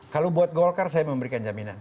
kalau buat golkar saya memberikan jaminan